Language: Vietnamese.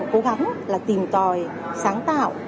cố gắng là tìm tòi sáng tạo